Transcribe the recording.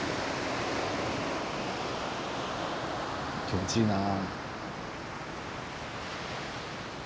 気持ちいいな。